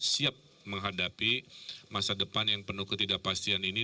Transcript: siap menghadapi masa depan yang penuh ketidakpastian ini